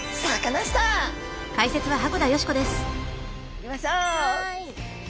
行きましょう！